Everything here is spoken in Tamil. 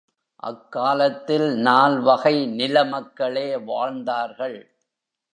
அக்காலத்தில் நால்வகை நில மக்களே வாழ்ந்தார்கள்.